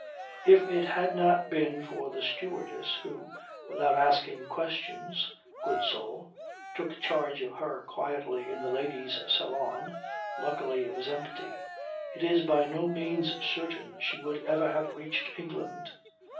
If it had not been for the stewardess who, without asking questions, good soul, took charge of her quietly in the ladies' saloon (luckily it was empty) it is by no means certain she would ever have reached England.